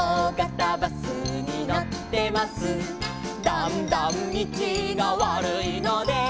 「だんだんみちがわるいので」